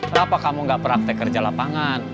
kenapa kamu gak praktek kerja lapangan